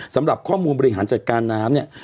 สำหรับข้อมูลบริหารจัดการน้ำเนี่ย